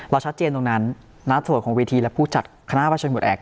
ชัดเจนตรงนั้นนะส่วนของเวทีและผู้จัดคณะประชนหมดแอก